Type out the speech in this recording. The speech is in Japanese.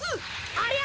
ありゃ。